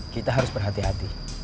kita harus berhati hati